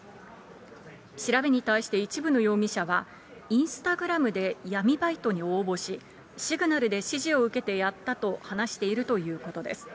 調べに対して一部の容疑者は、インスタグラムで闇バイトに応募し、シグナルで指示を受けてやったと話しているということです。